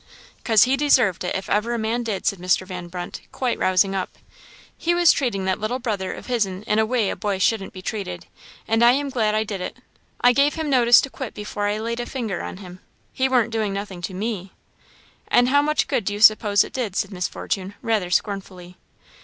" 'Cause he deserved it, if ever a man did," said Mr. Van Brunt, quite rousing up; "he was treating that little brother of his'n in a way a boy shouldn't be treated; and I am glad I did it. I gave him notice to quit before I laid a finger on him. He warn't doing nothing to me." "And how much good do you suppose it did?" said Miss Fortune, rather scornfully.